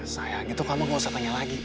sayang itu kamu gak usah tanya lagi